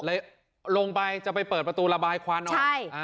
ลงไปจะไปเปิดประตูระบายควันออก